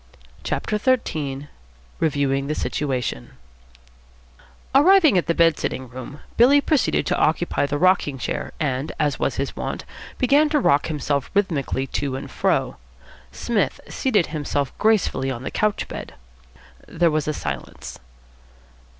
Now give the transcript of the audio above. CHAPTER XIII REVIEWING THE SITUATION Arriving at the bed sitting room, Billy proceeded to occupy the rocking chair, and, as was his wont, began to rock himself rhythmically to and fro. Psmith seated himself gracefully on the couch bed. There was a silence.